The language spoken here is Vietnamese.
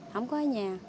không có ở nhà